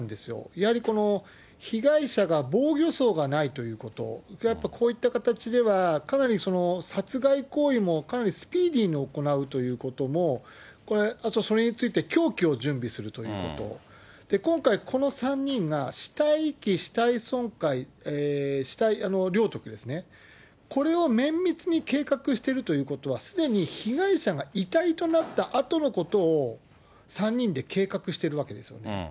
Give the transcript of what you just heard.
やはりこの被害者が防御創がないということ、やっぱこういった形では、かなり殺害行為もかなりスピーディーに行うということも、あとそれについて、凶器を準備するということ、今回、この３人が死体遺棄、死体損壊、死体領得ですね、これを綿密に計画してるということは、すでに被害者が遺体となったあとのことを３人で計画してるわけですよね。